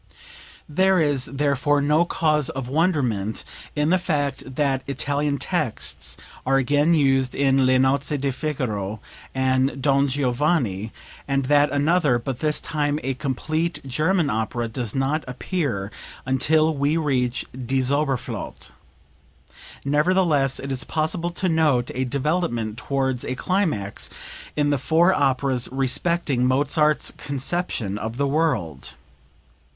There is, therefore, no cause of wonderment in the fact that Italian texts are again used in "Le Nozze di Figaro" and "Don Giovanni," and that another, but this time a complete German opera, does not appear until we reach "Die Zauberflote." Nevertheless it is possible to note a development towards a climax in the four operas respecting Mozart's conception of the world.